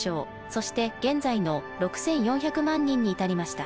そして現在の６，４００万人に至りました。